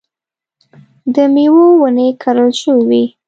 د مېوو ونې کرل شوې وې.